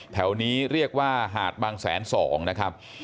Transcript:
แถวนี้เรียกว่าหาดบางแสน๒นะครับ